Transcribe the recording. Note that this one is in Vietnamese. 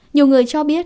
nhiều người cho biết